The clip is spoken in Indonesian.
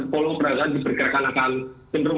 volume perdagangan di pergerakan akan